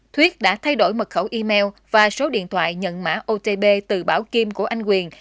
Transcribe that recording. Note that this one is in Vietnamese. thuyết đã thay đổi mật khẩu email và số điện thoại nhận mã otb từ bảo kim của anh quyền